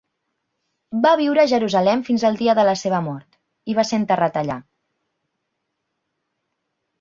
Va viure a Jerusalem fins el dia de la seva mort, i va ser enterrat allà.